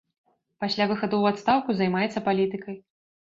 Пасля выхаду ў адстаўку займаецца палітыкай.